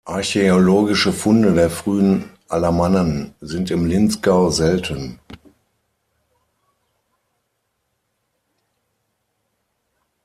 Archäologische Funde der frühen Alamannen sind im Linzgau selten.